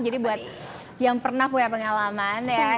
buat yang pernah punya pengalaman ya